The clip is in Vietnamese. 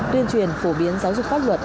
tuyên truyền phổ biến giáo dục pháp luật